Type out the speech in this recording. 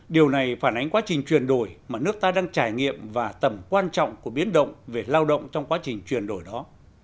điều này phản ánh quá trình chuyển đổi mà nước ta đang trải nghiệm và tầm quan trọng của biến động về lao động trong quá trình chuyển đổi đó